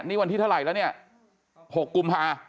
นี่วันที่เท่าไหร่แล้วเนี่ย๖กุมภา